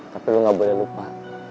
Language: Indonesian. tapi lo gak boleh lupa